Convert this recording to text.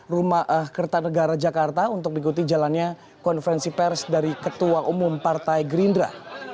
rumah kertanegara jakarta untuk mengikuti jalannya konferensi pers dari ketua umum partai gerindra